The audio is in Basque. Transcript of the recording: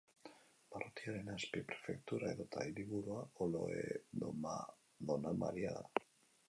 Barrutiaren azpi-prefektura edota hiriburua Oloroe-Donamaria da.